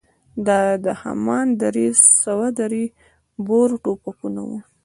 دا همان درې سوه درې بور ټوپکونه وو.